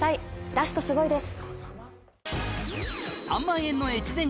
ラストすごいです。